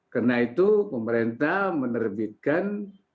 karena itu pemerintah menerbitkan